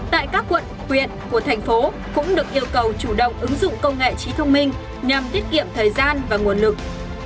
tại các quận quyện của thành phố cũng được yêu cầu chủ động ứng dụng công nghệ trí thông minh nhằm tiết kiệm thời gian và nguồn lực